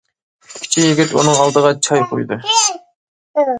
كۈتكۈچى يىگىت ئۇنىڭ ئالدىغا چاي قۇيدى.